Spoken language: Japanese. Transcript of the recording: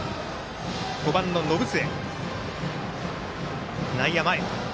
５番の延末。